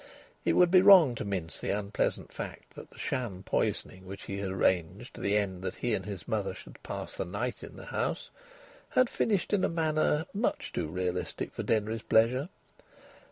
It would be wrong to mince the unpleasant fact that the sham poisoning which he had arranged to the end that he and his mother should pass the night in the house had finished in a manner much too realistic for Denry's pleasure.